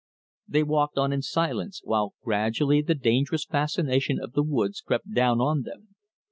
They walked on in silence, while gradually the dangerous fascination of the woods crept down on them.